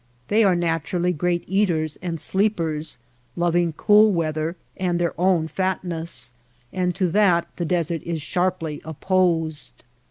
They are naturally great eaters and sleepers, loving cool weather and their own fatness ; and to that the desert is sharply opposed.